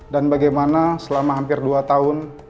dan bagaimana selama hampir dua tahun